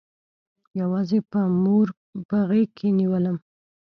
يوازې به مور په غېږ کښې نېولم.